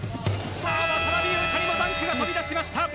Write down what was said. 渡邊雄太にもダンクが飛び出しました。